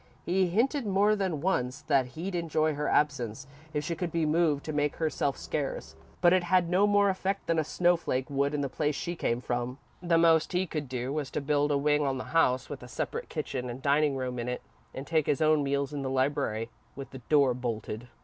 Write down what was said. He hinted more than once that he'd enjoy her absence if she could be moved to make herself scarce, but it had no more effect than a snowflake would in the place she came from. The most he could do was to build a wing on the house with a separate kitchen and dining room in it, and take his own meals in the library, with the door bolted.